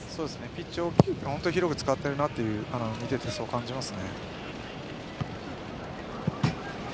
ピッチを広く使っていると見ていて、そう感じます。